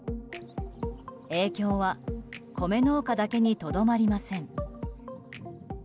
影響は米農家だけにとどまりません。